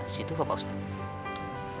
situ pak ustadz